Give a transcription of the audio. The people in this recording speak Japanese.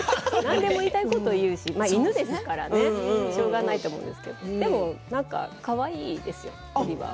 言いたいことを言うし犬ですから、しょうがないと思いますけどでも何かかわいいですよねオリバーは。